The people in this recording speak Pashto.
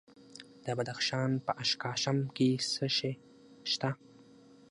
د بدخشان په اشکاشم کې څه شی شته؟